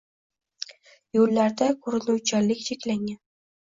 Yo‘llarda ko‘rinuvchanlik cheklangan